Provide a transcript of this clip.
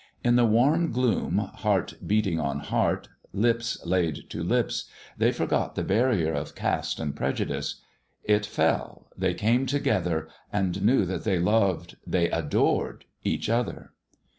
In the warm gloom, heart beating on heart, lips laid to lips, they forgot the barrier of caste and prejudice ; it fell, they came together, and knew that they loved, they adored each other.